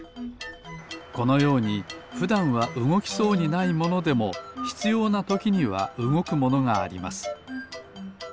このようにふだんはうごきそうにないものでもひつようなときにはうごくものがあります